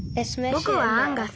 ぼくはアンガス。